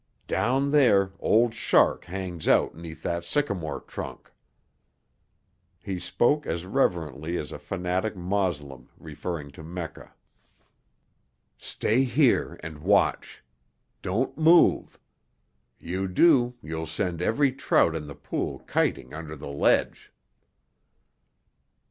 Down there Old Shark hangs out 'neath that sycamore trunk." He spoke as reverently as a fanatic Moslem referring to Mecca. "Stay here and watch. Don't move. You do, you'll send every trout in the pool kiting under the ledge."